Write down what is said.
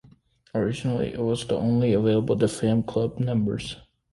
Originally it was only available to fan club members.